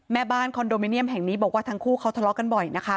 แม่บ้านคอนโดมิเนียมแห่งนี้บอกว่าทั้งคู่เขาทะเลาะกันบ่อยนะคะ